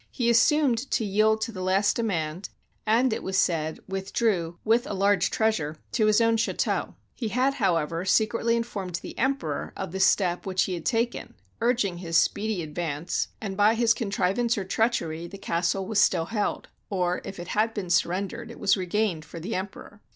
He assumed to yield to the last demand, and, it was said, withdrew with a large treasure to his own chateau. He had, however, secretly informed the Emperor of the step which he had taken, urging his speedy advance, and by his conniv ance or treachery the castle was still held; or, if it had been surrendered, was regained for the Emperor.